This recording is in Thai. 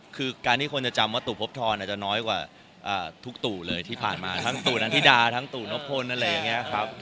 คือการที่คนจะจำว่าตู่พบทรอาจจะน้อยกว่าทุกตู่เลยที่ผ่านมาทั้งตู่นันธิดาทั้งตู่นพลอะไรอย่างนี้ครับ